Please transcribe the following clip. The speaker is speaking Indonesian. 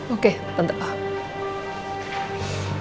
oke tante paham